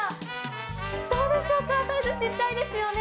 どうでしょうか、サイズ、ちっちゃいですよね。